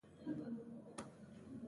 پښتانه شاعران ډېر دي، خو: